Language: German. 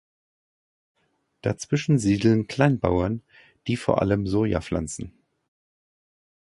Dazwischen siedeln Kleinbauern, die vor allem Soja pflanzen.